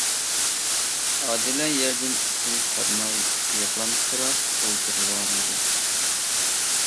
ئادىلە يەردىن ئۈستۈن قارىماي يىغلامسىراپ ئولتۇرۇۋالدى.